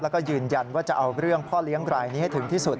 แล้วก็ยืนยันว่าจะเอาเรื่องพ่อเลี้ยงรายนี้ให้ถึงที่สุด